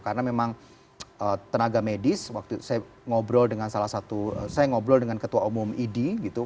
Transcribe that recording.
karena memang tenaga medis waktu itu saya ngobrol dengan salah satu saya ngobrol dengan ketua umum idi gitu